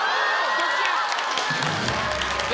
どっちや？